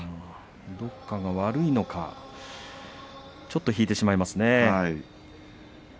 どこかが悪いのかちょっと引いてしまいますね。